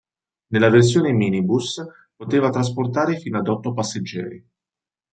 Nella versione minibus poteva trasportare fino ad otto passeggeri.